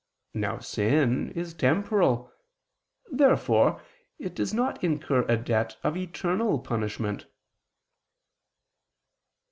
Now sin is temporal. Therefore it does not incur a debt of eternal punishment.